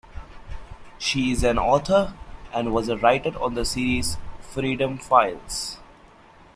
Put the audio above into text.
She is an author, and was a writer on the series "Freedom Files".